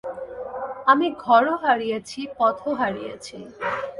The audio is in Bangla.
আমি ঘরও হারিয়েছি, পথও হারিয়েছি।